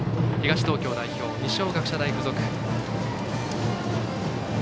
東東京代表、二松学舎大付属。